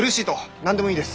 何でもいいです。